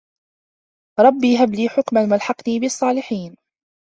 رَبِّ هَب لي حُكمًا وَأَلحِقني بِالصّالِحينَ